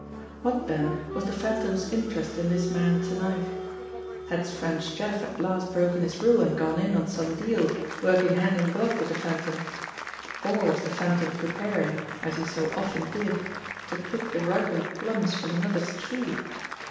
What then was the Phantom's interest in this man to night? Had French Jeff at last broken his rule and gone in on some deal, working hand in glove with the Phantom ; or was the Phantom pre paring, as he so often did, to pick the ripened plums from another's tree?